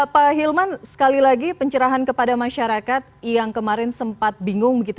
pak hilman sekali lagi pencerahan kepada masyarakat yang kemarin sempat bingung begitu